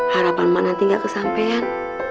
harapan emak nanti gak kesampean